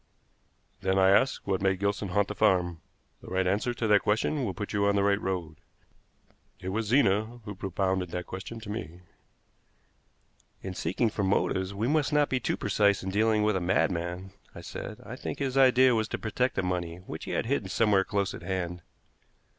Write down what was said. "Then, I ask, what made Gilson haunt the farm? The right answer to that question will put you on the right road. It was Zena who propounded that question to me." "In seeking for motives we must not be too precise in dealing with a madman," I said. "I think his idea was to protect the money which he had hidden somewhere close at hand."